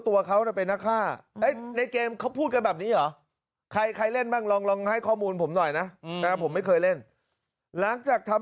อ๋อติดเกมอย่างนี้หรอ